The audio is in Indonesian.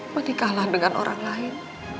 menikahlah dengan orang lain